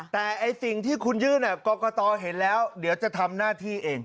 แต่สิ่งที่คุณยื่นกรกตเห็นแล้วเดี๋ยวจะทำหน้าที่เอง